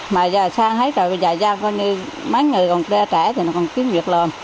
mà giờ sang hết rồi dài dài coi như mấy người còn trẻ thì nó còn kiếm việc lồn